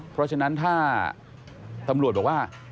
เพราะฉะนั้นถ้าตำรวจบอกว่า